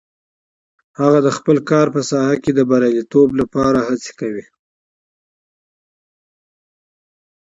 هغه د خپل کار په ساحه کې د بریالیتوب لپاره هڅې کوي